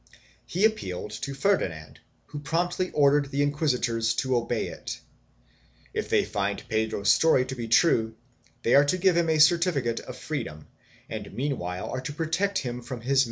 He appealed to Ferdinand who promptly ordered the inquisitors to obey it; if they find Pedro's story to be true they are to give him a certificate of freedom and meanwhile are to protect him from his master, who 1 Archive de Alcald, ubi sup.